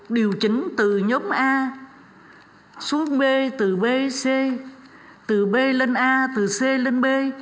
điều chỉnh từ nhóm a xuống b từ b c từ b lên a từ c lên b